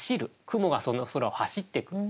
雲がその空を走ってく。